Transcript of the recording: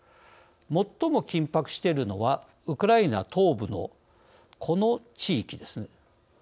最も緊迫しているのはウクライナ東部の、この地域です。